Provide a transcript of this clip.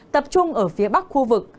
tập trung ở phía bắc khu